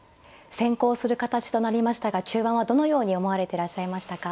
先攻する形となりましたが中盤はどのように思われていらっしゃいましたか。